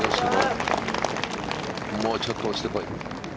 もうちょっと落ちてこい。